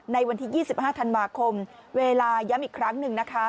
ในวันที่๒๕ธันวาคมเวลาย้ำอีกครั้งหนึ่งนะคะ